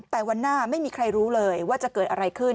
แต่วันหน้าไม่มีใครรู้เลยว่าจะเกิดอะไรขึ้น